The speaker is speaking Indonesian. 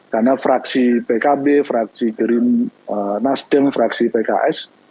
karena fraksi pkb fraksi nasden fraksi pks